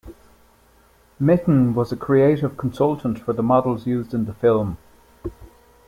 Mitton was a creative consultant for the models used in the film.